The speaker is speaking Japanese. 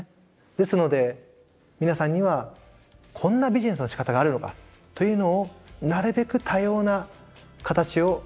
ですので皆さんにはこんなビジネスのしかたがあるのかというのをなるべく多様な形を見てみて下さい。